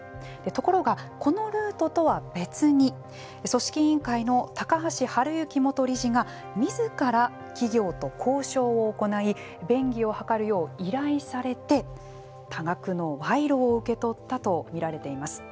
ところが、このルートとは別に組織委員会の高橋治之元理事がみずから企業と交渉を行い便宜を図るよう依頼されて多額の賄賂を受け取ったとみられています。